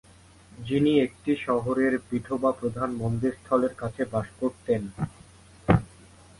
যিনি একটি শহরের বিঠোবা প্রধান মন্দির স্থলের কাছে বাস করতেন।